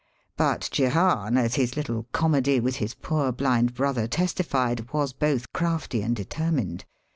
But Jehan, as his little comedy with his ''poor blind brother" testified, was both crafty and determined.